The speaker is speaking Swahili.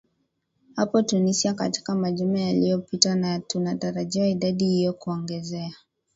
hapo tunisia katika majumaa yaliopita naa tunatarajia idadi hiyo kuongezea